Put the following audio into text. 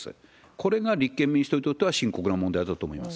これが立憲民主党にとっては、深刻な問題だと思います。